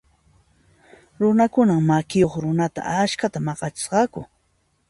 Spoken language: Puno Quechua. Runakunan makiyuq runata askhata maq'achisqaku.